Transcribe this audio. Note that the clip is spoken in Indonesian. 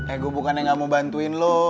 eh gue bukannya gak mau bantuin lo